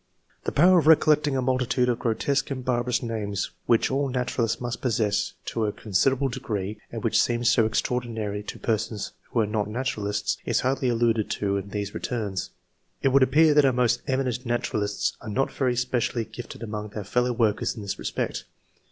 The power of recollecting a multitude of grotesque and barbarous names, which all naturalists must possess to a considerable degree, and which seems so extraordinary to persons who are not naturalists, is hardly alluded to in these returns. It would appear that our most eminent naturalists are not very specially gifted among their fellow workers in this respect.